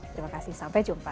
terima kasih sampai jumpa